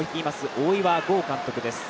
大岩剛監督です。